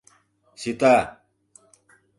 — Сита!